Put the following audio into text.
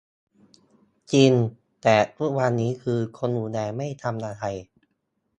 จริง แต่ทุกวันนี้คือ คนดูแลไม่ทำอะไร